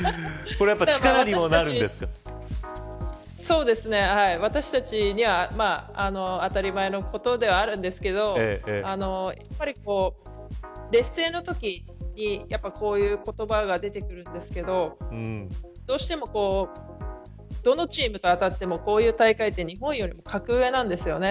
そうですね、私たちには当たり前のことではあるんですけど劣勢のときにこういう言葉が出てくるんですけどどうしてもどのチームと当たってもこういう大会って、日本よりも格上なんですよね。